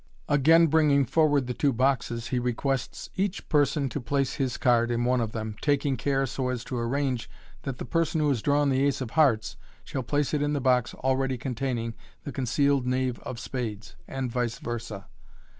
Again bringing forward the two boxes, he requests each person to place his card in one of them, taking care so to arrange that the person who has drawn the ace of hearts shall place it in the box already contain ing the concealed knave of spades, and vice versd.